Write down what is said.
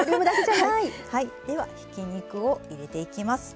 はいではひき肉を入れていきます。